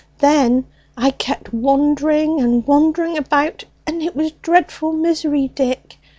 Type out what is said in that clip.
Then I kept wandering and wandering about, and it was dreadful misery, Dick.